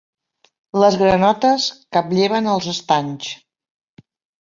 Les granotes caplleven als estanys.